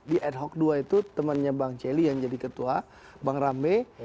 di ad hoc ii itu temannya bang celi yang jadi ketua bang rambe